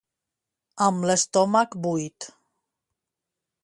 Amb l'estómac buit.